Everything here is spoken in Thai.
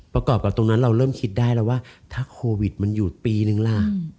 ประกอบกับตรงนั้นเราเริ่มคิดได้แล้วว่าถ้าโควิดมันอยู่ปีนึงล่ะ